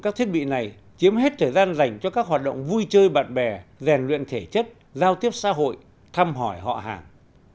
các thiết bị này chiếm hết thời gian dành cho các hoạt động vui chơi bạn bè rèn luyện thể chất giao tiếp xã hội thăm hỏi họ hàng